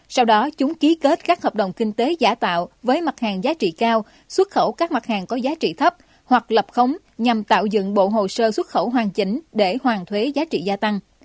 sau đó chúng ký kết các hợp đồng kinh tế giả tạo với mặt hàng giá trị cao xuất khẩu các mặt hàng có giá trị thấp hoặc lập khống nhằm tạo dựng bộ hồ sơ xuất khẩu hoàn chỉnh để hoàn thuế giá trị gia tăng